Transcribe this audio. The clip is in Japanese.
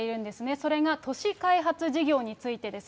それが都市開発事業についてです。